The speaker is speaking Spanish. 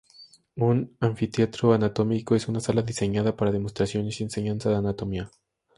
Un anfiteatro anatómico es una sala diseñada para demostraciones y enseñanza de anatomía.